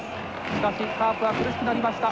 しかしカープは苦しくなりました。